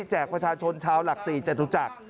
แจกประชาชนชาวหลักสี่จัดทุตรจักร